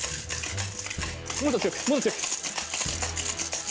もっと強くもっと強く。